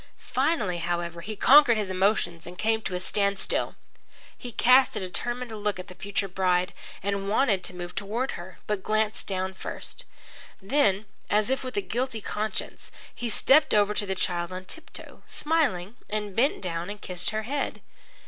Finally, however, he conquered his emotions and came to a standstill. He cast a determined look at the future bride and wanted to move toward her, but glanced about first. Then, as if with a guilty conscience, he stepped over to the child on tip toe, smiling, and bent down and kissed her head.